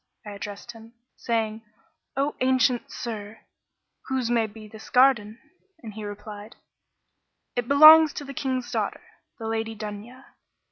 I addressed him, saying, 'O ancient sir, whose may be this garden?' and he replied, 'It belongs to the King's daughter, the Lady Dunya.